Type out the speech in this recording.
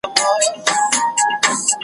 دې مقام ته بل څوک نه وه رسېدلي .